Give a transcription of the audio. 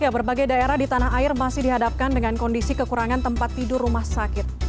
berbagai daerah di tanah air masih dihadapkan dengan kondisi kekurangan tempat tidur rumah sakit